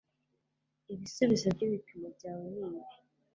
ibisubizo by'ibipimo byawe nibi